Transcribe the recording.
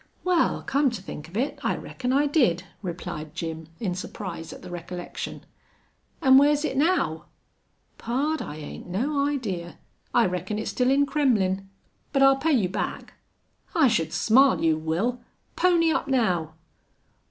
"Wal, come to think of it, I reckon I did," replied Jim, in surprise at the recollection. "An' whar's it now?" "Pard, I 'ain't no idee. I reckon it's still in Kremmlin'. But I'll pay you back." "I should smile you will. Pony up now."